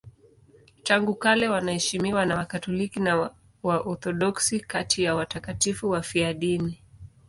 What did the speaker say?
Tangu kale wanaheshimiwa na Wakatoliki na Waorthodoksi kati ya watakatifu wafiadini.